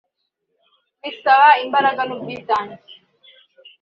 bisaba imbaraga n’ubwitange